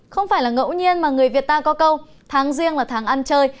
không phải là ngẫu nhiên mà người việt ta có câu tháng riêng là tháng ăn chơi